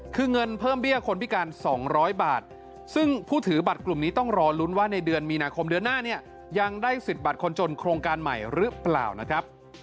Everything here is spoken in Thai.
คือเงินเพิ่มเบี้ยคนพิการ๒๐๐บาทซึ่งผู้ถือบัตรกลุ่มนี้ต้องรอลุ้นว่าในเดือนมีนาคมเดือนหน้าเนี่ยยังได้สิทธิ์บัตรคนจนโครงการใหม่หรือเปล่านะครับ